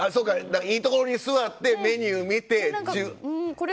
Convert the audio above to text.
いいところに座ってメニュー見て。